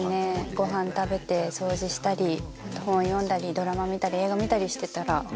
ご飯食べて掃除したり本を読んだりドラマ見たり映画見たりしてたら。